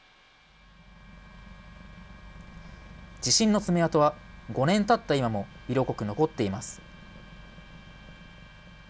地震の爪痕は５年たった今も色濃く残っています。